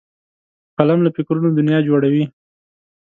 قلم له فکرونو دنیا جوړوي